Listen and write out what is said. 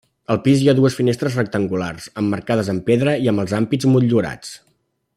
Al pis hi ha dues finestres rectangulars, emmarcades amb pedra i amb els ampits motllurats.